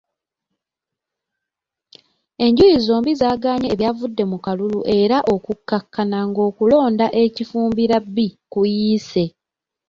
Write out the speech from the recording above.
Enjuyi zombi zaagaanye ebyavudde mu kalulu era okukkakkana ng'okulonda e Kifumbira B kuyiise.